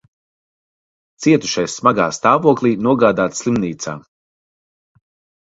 Cietušais smagā stāvoklī nogādāts slimnīcā.